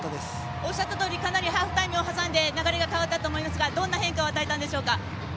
おっしゃったとおりかなりハーフタイムを挟んで流れが変わったと思いますがどんな変化を与えたんでしょうか。